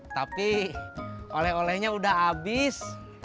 tapi oleh olehnya udah habis